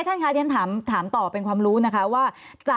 ท่านคะเรียนถามต่อเป็นความรู้นะคะว่า